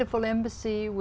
giữa những gì